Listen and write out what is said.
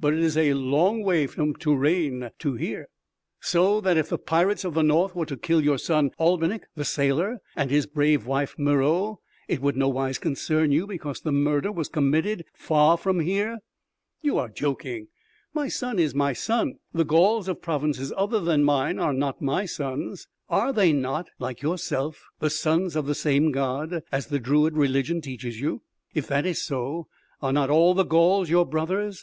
but it is a long way from Touraine to here." "So that if the pirates of the North were to kill your son Albinik the sailor and his brave wife Meroë, it would no wise concern you because the murder was committed far from here?" "You are joking. My son is my son.... The Gauls of provinces other than mine are not my sons!" "Are they not, like yourself, the sons of the same god, as the druid religion teaches you? If that is so, are not all the Gauls your brothers?